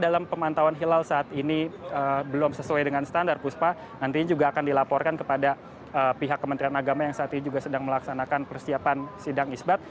dalam pemantauan hilal saat ini belum sesuai dengan standar puspa nantinya juga akan dilaporkan kepada pihak kementerian agama yang saat ini juga sedang melaksanakan persiapan sidang isbat